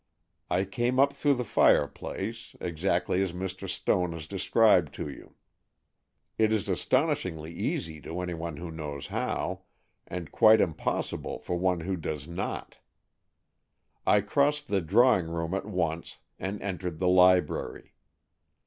I came up through the fireplace, exactly as Mr. Stone has described to you. It is astonishingly easy to any one who knows how, and quite impossible for one who does not. I crossed the drawing room at once, and entered the library.